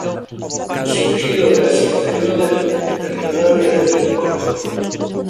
Surgido de las inferiores de Rivadavia de Lincoln.